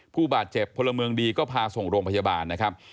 ผู้บาดเจ็บพลเมืองดีก็พาส่งโรงพยาบาลนะครับ